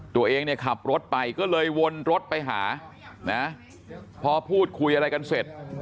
ตัวเองเนี่ยขับรถไปก็เลยวนรถไปหานะพอพูดคุยอะไรกันเสร็จ